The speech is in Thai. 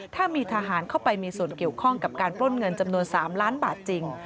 ถ้ามีทหารเข้าไปมีส่วนเกี่ยวข้องกับการปล้นเงินจำนวน๓ล้านบาทจริง